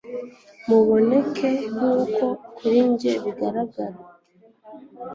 Muboneke nkuko kuri njye bigaragara